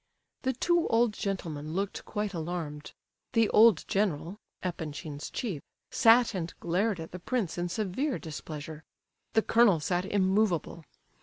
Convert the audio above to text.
The two old gentlemen looked quite alarmed. The old general (Epanchin's chief) sat and glared at the prince in severe displeasure. The colonel sat immovable.